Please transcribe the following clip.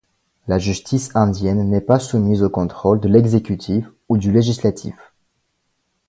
La justice indienne n'est pas soumise au contrôle de l'exécutif ou du législatif.